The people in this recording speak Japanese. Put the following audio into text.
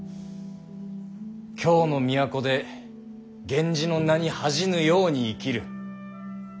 京の都で源氏の名に恥じぬように生きる。